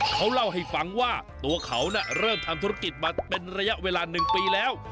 เขาเล่าให้ฟังว่าตัวเขาเริ่มทำธุรกิจมาเป็นระยะเวลา๑ปีแล้ว